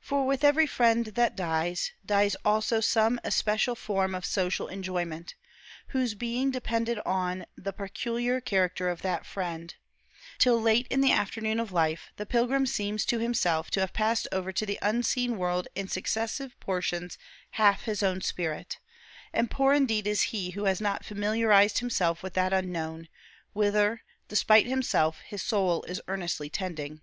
For with every friend that dies, dies also some especial form of social enjoyment, whose being depended on the peculiar character of that friend; till, late in the afternoon of life, the pilgrim seems to himself to have passed over to the unseen world in successive portions half his own spirit; and poor indeed is he who has not familiarized himself with that unknown, whither, despite himself, his soul is earnestly tending.